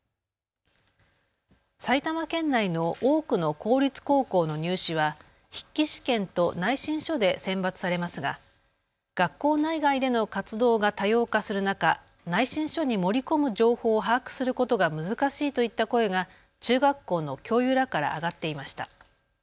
埼玉県内の多くの公立高校の入試は筆記試験と内申書で選抜されますが学校内外での活動が多様化する中、内申書に盛り込む情報を把握することが難しいといった声が中学校の教諭らから上がっていました。